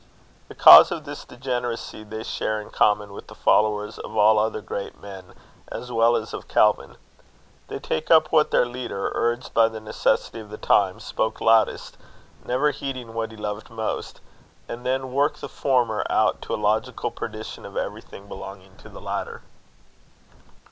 The cause of this degeneracy they share in common with the followers of all other great men as well as of Calvin. They take up what their leader, urged by the necessity of the time, spoke loudest, never heeding what he loved most; and then work the former out to a logical perdition of everything belonging to the latter.